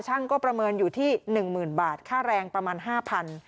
ช่างก็ประเมินอยู่ที่๑๐๐๐บาทค่าแรงประมาณ๕๐๐บาท